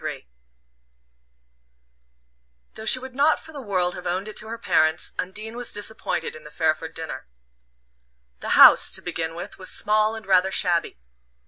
III Though she would not for the world have owned it to her parents, Undine was disappointed in the Fairford dinner. The house, to begin with, was small and rather shabby.